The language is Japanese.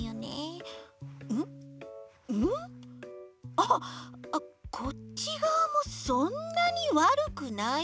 あっこっちがわもそんなにわるくないわね。